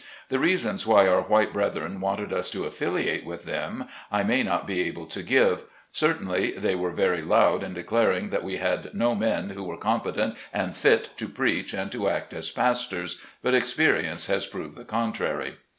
The reasons why our white brethren wanted us to affiliate with them, I may not be able to give ; certainly, they were very loud in declaring that we had no men who were competent and fit to preach and to act as pastors, but experience has proven the contrary.